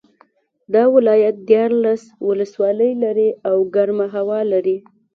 دا ولایت دیارلس ولسوالۍ لري او ګرمه هوا لري